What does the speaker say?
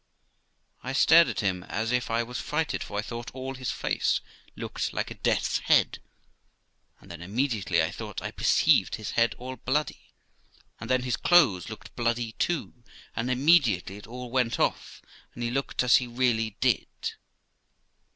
I stared at him as if I was frighted, for I thought all his face looked like a death's head ; and then immediately I thought I perceived his head all bloody, and then his clothes looked bloody too, and immediately it all went off, and he looked as he really did.